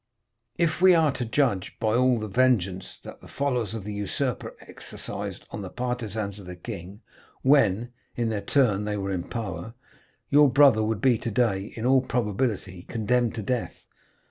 If we are to judge by all the vengeance that the followers of the usurper exercised on the partisans of the king, when, in their turn, they were in power, your brother would be today, in all probability, condemned to death.